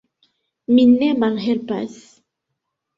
Mi ne malhelpas?